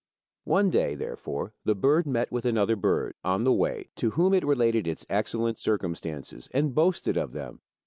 One day, therefore, the bird met with another bird, on the way, to whom it related its excellent circumstances and boasted of them.